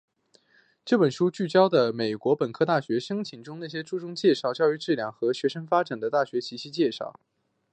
这本书聚焦于美国本科大学申请中那些注重教育质量和学生发展的大学及其介绍。